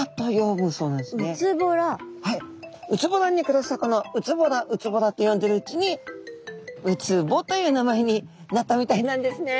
空洞に暮らす魚うつぼらうつぼらって呼んでるうちに「うつぼ」という名前になったみたいなんですね。